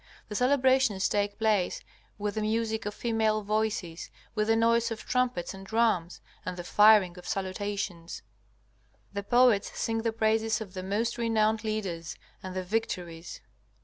The celebrations take place with the music of female voices, with the noise of trumpets and drums, and the firing of salutations. The poets sing the praises of the most renowned leaders and the victories.